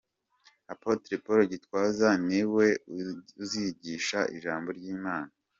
Apotre Paul Gitwaza ni we uzigisha ijambo ry'Imana.